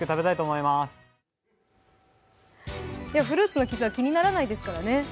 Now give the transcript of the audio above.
フルーツの傷は気にならないですからね。